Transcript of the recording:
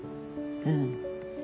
うん。